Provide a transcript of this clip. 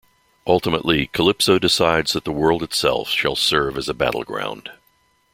Ultimately, Calypso decides that the world itself shall serve as a battleground.